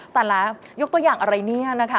แต่ละยกตัวอย่างอะไรเนี่ยนะคะ